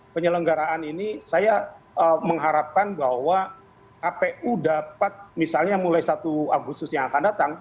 penyelenggaraan ini saya mengharapkan bahwa kpu dapat misalnya mulai satu agustus yang akan datang